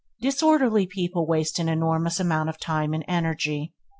Disorderly people waste an enormous amount of time and energy.